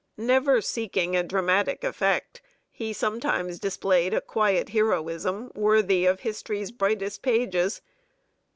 Never seeking a dramatic effect, he sometimes displayed quiet heroism worthy of history's brightest pages.